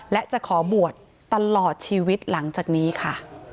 และจะขอบวชตลอดชีวิตหลังจากนี้ค่ะ